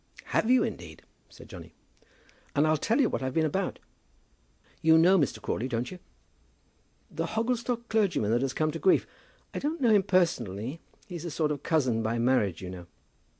"Have you indeed?" said Johnny. "And I'll tell you what I've been about. You know Mr. Crawley; don't you?" "The Hogglestock clergyman that has come to grief? I don't know him personally. He's a sort of cousin by marriage, you know."